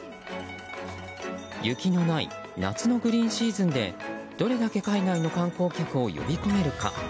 雪のない夏のグリーンシーズンでどれだけ海外の観光客を呼び込めるか。